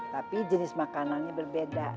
tapi jenis makanannya berbeda